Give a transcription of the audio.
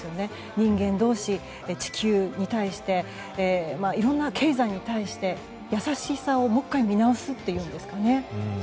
人間同士、地球に対しいろんな経済に対して優しさをもう１回見直すっていうんですかね。